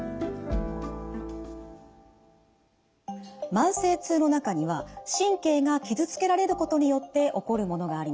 慢性痛の中には神経が傷つけられることによって起こるものがあります。